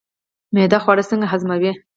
معده خواړه څنګه هضموي